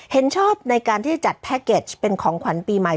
เห็นชอบในการที่จะจัดแพ็กเกจเป็นของขวัญปีใหม่